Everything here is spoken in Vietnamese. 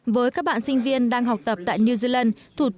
với các bạn sinh viên đang học tập tại new zealand